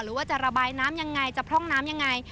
หรือว่าจะระบายน้ำยังไงจะพร่องน้ำยังไง